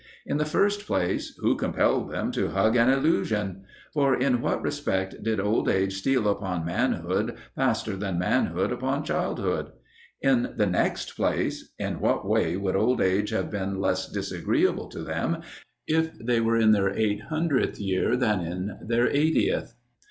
In the first place, who compelled them to hug an illusion? For in what respect did old age steal upon manhood faster than manhood upon childhood? In the next place, in what way would old age have been less disagreeable to them if they were in their eight hundredth year than in their eightieth?